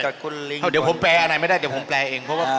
เดี๋ยวผมแปลอันไหนไม่ได้เดี๋ยวผมแปลเอง